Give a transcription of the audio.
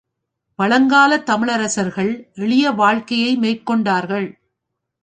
பழங்காலத் தமிழரசர்கள் எளிய வாழ்க்கையை மேற்கொண்டார்கள்.